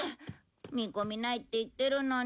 みこみないって言ってるのに。